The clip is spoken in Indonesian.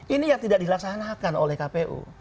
ini yang tidak dilaksanakan oleh kpu